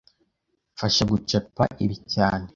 Mfasha gucapa ibi cyane